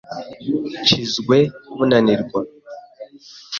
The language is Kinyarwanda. Nshinzwe kunanirwa.